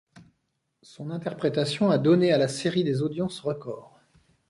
Son interprétation a donné à la série des audiences record.